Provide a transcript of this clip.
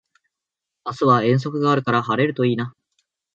明日は遠足があるから晴れるといいな